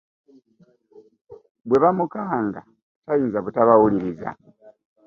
Bwe bamukanga tayinza butabawuliriza .